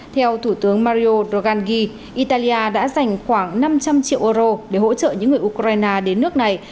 theo thủ tướng mario drogani italia đã dành khoảng năm trăm linh triệu euro để hỗ trợ những người ukraine đến nước này